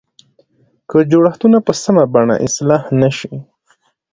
که جوړښتونه په سمه بڼه اصلاح نه شي.